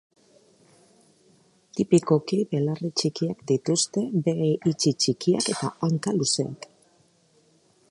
Tipikoki belarri txikiak dituzte, begi itxi txikiak eta hanka luzeak.